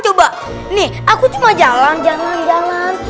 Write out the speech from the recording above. coba aku cuma jalan jalan jalan